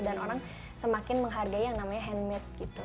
dan orang semakin menghargai yang namanya handmade gitu